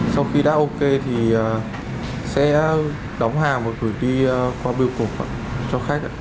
sau khi đã ok thì sẽ đóng hàng và gửi đi qua biểu cục cho khách